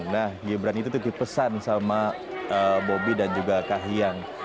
nah gibran itu tuh dipesan sama bobby dan juga kak hayang